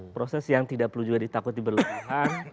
proses yang tidak perlu juga ditakut diberlakukan